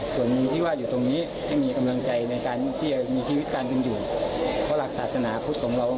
ส่วนที่ว่าอยู่ตรงนี้ให้มีกำลังใจในการที่จะมีชีวิตการเป็นอยู่เพราะหลักศาสนาพุทธของเรา